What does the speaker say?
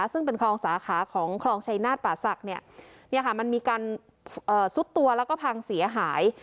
ซึ่งเป็นคลองสาขาของคลองชัยนาฏป่าศักดิ์เนี่ยเนี่ยค่ะมันมีกันเอ่อซุดตัวแล้วก็พังเสียหาย